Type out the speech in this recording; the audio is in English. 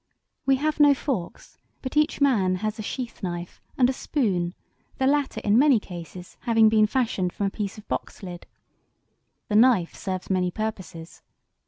We have no forks, but each man has a sheath knife and a spoon, the latter in many cases having been fashioned from a piece of box lid. The knife serves many purposes.